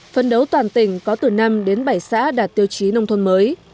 phấn đấu toàn tỉnh có từ năm đến bảy xã đạt tiêu chí nông thôn mới